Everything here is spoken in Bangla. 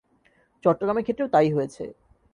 চট্টগ্রামের ক্ষেত্রেও তা ই হয়েছে।